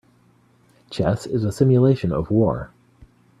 Chess is a simulation of war.